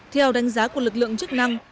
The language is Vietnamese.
theo đánh giá của lực lượng chức năng